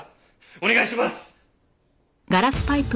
お願いします！